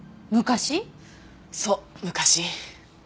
そう昔。